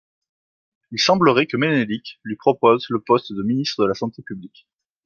Il semblerait que Menelik lui proposa le poste de ministre de la santé publique.